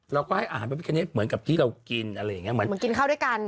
เราก็ให้อาหารป้าพิกาเนทเหมือนกับที่เรากินอะไรอย่างนี้